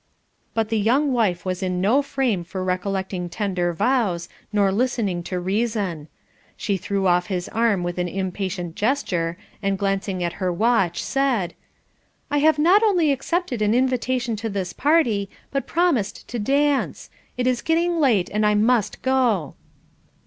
But the young wife was in no frame for recollecting tender vows, nor listening to reason. She threw off his arm with an impatient gesture, and glancing at her watch, said: "I have not only accepted an invitation to this party, but promised to dance. It is getting late and I must go."